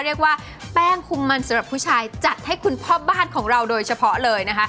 เรียกว่าแป้งคุมมันสำหรับผู้ชายจัดให้คุณพ่อบ้านของเราโดยเฉพาะเลยนะคะ